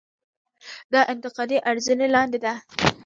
دا انتقادي ارزونې لاندې ده.